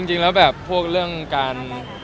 จริงแล้วแบบพวกเรื่องการ